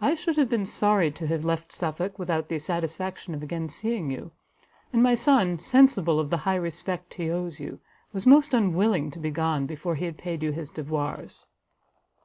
I should have been sorry to have left Suffolk without the satisfaction of again seeing you; and my son, sensible of the high respect he owes you, was most unwilling to be gone, before he had paid you his devoirs."